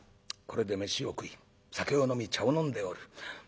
これで飯を食い酒を飲み茶を飲んでおる。